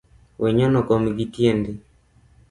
Wenyono kom gitiendi